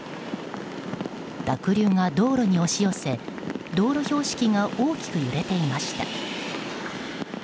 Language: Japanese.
濁流が道路に押し寄せ道路標識が大きく揺れていました。